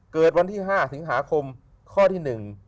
เกิดวันที่๕สิงหาคมข้อที่หนึ่ง